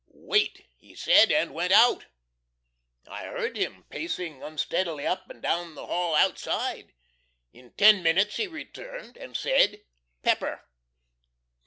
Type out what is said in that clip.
"Wait!" he said, and went out. I heard him pacing unsteadily up and down the hall outside. In ten minutes he returned, and said: "Pepper!"